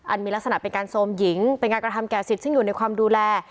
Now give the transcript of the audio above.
มีลักษณะเป็นการโทรมหญิงเป็นการกระทำแก่สิทธิ์ซึ่งอยู่ในความดูแล